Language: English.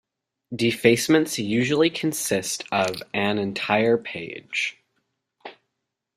Defacements usually consist of an entire page.